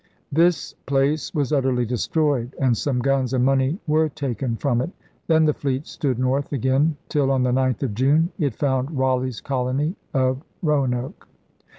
This place was utterly destroyed and some guns and money were taken from it. Then the fleet stood north again till, on the 9th of June, it found Raleigh's colony of Roanoke.